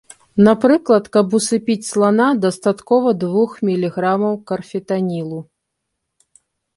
Напрыклад, каб усыпіць слана, дастаткова двух міліграмаў карфентанілу.